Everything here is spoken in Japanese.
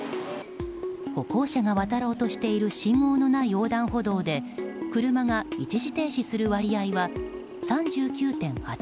歩行者が渡ろうとしている信号のない横断歩道で車が一時停止する割合は３９．８％。